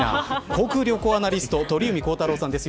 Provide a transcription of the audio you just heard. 航空・旅行アナリスト鳥海高太朗さんです。